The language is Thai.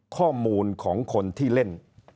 ข้อมูลของคนที่เล่น